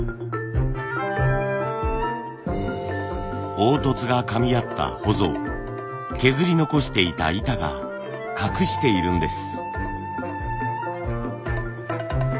凹凸がかみ合ったほぞを削り残していた板が隠しているんです。